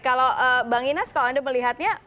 kalau bang inas kalau anda melihatnya